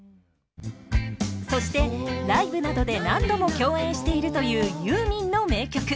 そしてライブなどで何度も共演しているというユーミンの名曲。